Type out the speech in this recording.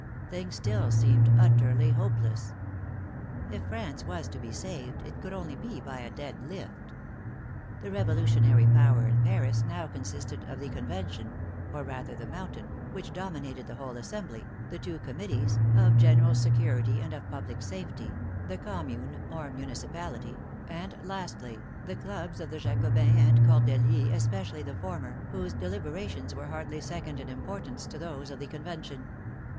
Things still seemed utterly hopeless. If France was to be saved it could only be by a dead lift. The revolutionary power in Paris now con sisted of the Convention (or rather the Mountain, which dominated the whole assembly), the two committees (of General Security and of Public Safety), the Commune, or Municipality, and, lastly, the clubs of the Jacobins and Cordeliers, especially the former, whose deliberations were hardly second in importance to those of the Con vention.